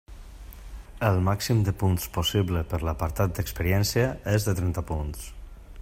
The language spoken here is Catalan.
El màxim de punts possible per l'apartat d'experiència és de trenta punts.